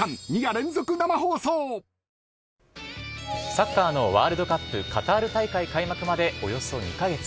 サッカーのワールドカップカタール大会開幕までおよそ２カ月。